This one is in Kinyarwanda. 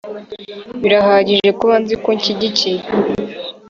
birahagije kuba nziko unshyigikiye,